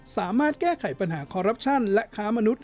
สามารถแก้ไขปัญหาคอรัปชั่นและค้ามนุษย